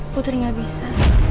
putri gak bisa